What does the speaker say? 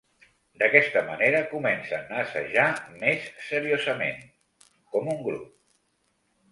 D'aquesta manera comencen a assajar més seriosament, com un grup.